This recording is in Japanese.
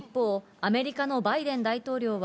アメリカのバイデン大統領は